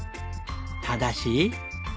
ただし。